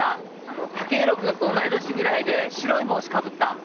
あの剛洋君と同い年ぐらいで白い帽子かぶった。